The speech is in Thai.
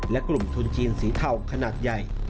และกลุ่มทุนจีนสีเทาขนาดใหญ่